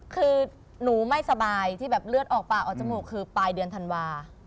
คือหนูไม่สบายที่แบบเลือดออกปากออกจมูกคือปลายเดือนธันวา